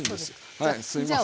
はいすいません。